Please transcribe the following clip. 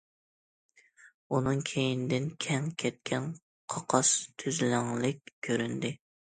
ئۇنىڭ كەينىدىن كەڭ كەتكەن قاقاس تۈزلەڭلىك كۆرۈندى.